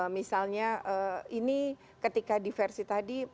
misalnya ini ketika diversi tadi